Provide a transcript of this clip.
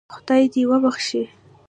خدای دې وبخشي.